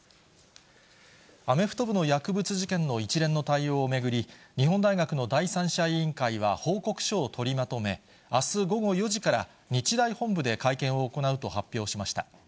アメフト部の薬物事件の一連の対応を巡り、日本大学の第三者委員会は、報告書を取りまとめ、あす午後４時から、日大本部で会見を行うと発表しました。